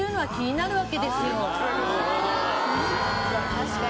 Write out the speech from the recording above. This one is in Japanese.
確かに。